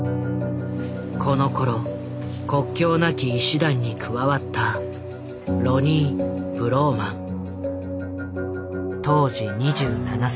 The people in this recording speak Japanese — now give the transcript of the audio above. このころ国境なき医師団に加わった当時２７歳。